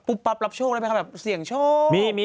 ปุ๊บปับรับโชครึเปล่าคะแบบเสี่ยงโชค